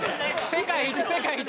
世界一世界一。